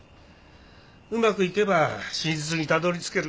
うまくいけば真実にたどりつける。